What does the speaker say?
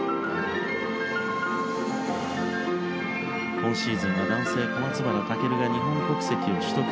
今シーズンは男性小松原尊が日本国籍を取得。